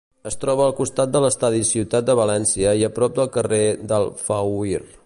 Es troba al costat de l'estadi Ciutat de València i a prop del carrer d'Alfauir.